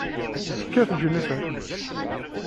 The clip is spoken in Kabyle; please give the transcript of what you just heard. Tekkat Jennifer.